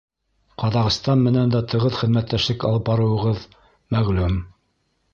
— Ҡаҙағстан менән дә тығыҙ хеҙмәттәшлек алып барыуығыҙ мәғлүм.